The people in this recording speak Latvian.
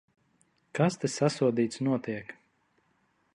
Kas te, sasodīts, notiek?